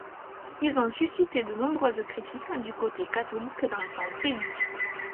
Ils ont suscité de nombreuses critiques du côté catholique dans son pays.